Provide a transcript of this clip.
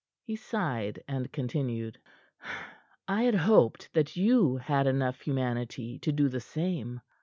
He sighed, and continued: "I had hoped that you had enough humanity to do the same.